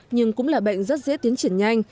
nhưng cũng là bệnh rất dễ tiến triển nhanh